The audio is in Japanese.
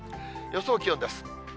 予想気温です。